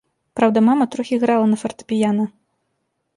Праўда, мама трохі грала на фартэпіяна.